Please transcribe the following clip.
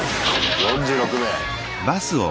４６名。